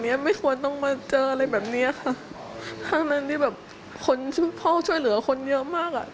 ไม่ควรต้องมาเจออะไรแบบเนี้ยค่ะทั้งนั้นที่แบบคนเข้าช่วยเหลือคนเยอะมากอ่ะ